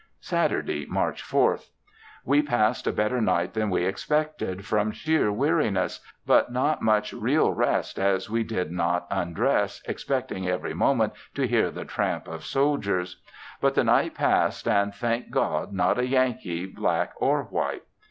Saturday, March 4th. We passed a better night than we expected from sheer weariness; but, not much real rest as we did not undress, expecting every moment to hear the tramp of soldiers; but the night passed, and thank God! not a Yankee, black or white!